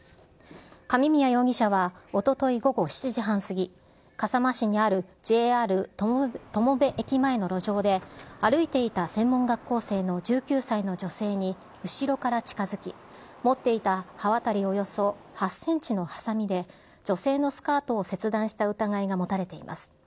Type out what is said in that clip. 上宮容疑者はおととい午後７時半過ぎ、笠間市にあるＪＲ友部駅前の路上で、歩いていた専門学校生の１９歳の女性に後ろから近づき、持っていた刃渡りおよそ８センチのはさみで、女性のスカートを切断した疑いが持たれています。